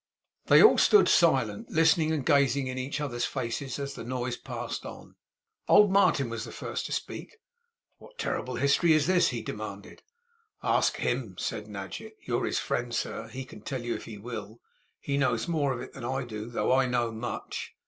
They all stood silent: listening, and gazing in each other's faces, as the noise passed on. Old Martin was the first to speak. 'What terrible history is this?' he demanded. 'Ask HIM,' said Nadgett. 'You're his friend, sir. He can tell you, if he will. He knows more of it than I do, though I know much.